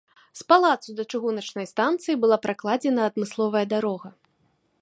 З палацу да чыгуначнай станцыі была пракладзена адмысловая дарога.